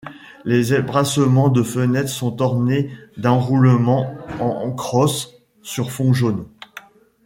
Les ébrasements de fenêtres sont ornés d'enroulements en crosses sur fond jaune.